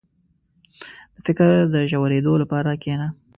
• د فکر د ژورېدو لپاره کښېنه.